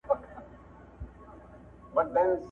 موخه ئې دا وه چي